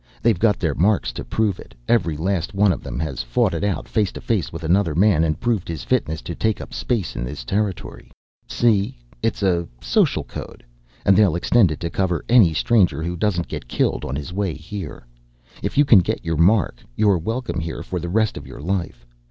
They've got their marks to prove it. Every last one of them has fought it out face to face with another man, and proved his fitness to take up space in this territory. See it's a social code. And they'll extend it to cover any stranger who doesn't get killed on his way here. If you can get your mark, you're welcome here for the rest of your life.